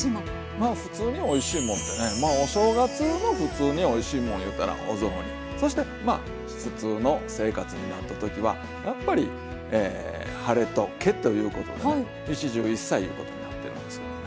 まあ「ふつうにおいしいもん」ってねまあお正月の「ふつうにおいしいもん」いうたらお雑煮そして普通の生活になった時はやっぱり「ハレとケ」ということでね一汁一菜いうことになってるんですけどもね。